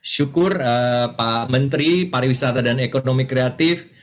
syukur pak menteri pariwisata dan ekonomi kreatif